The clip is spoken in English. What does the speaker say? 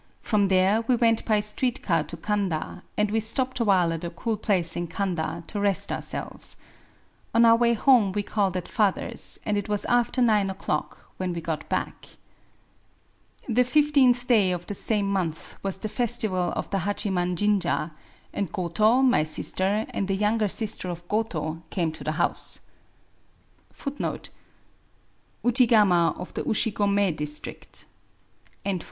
From there we went by street car to Kanda ; and we stopped awhile at a cool place in Kanda, to rest ourselves. On our way home we called at father's, and it was after nine o'clock when we got back. The fifteenth day of the same month was the festival of the Hachiman jinja^; and Goto, my sister, and the younger sister of Goto came to the house.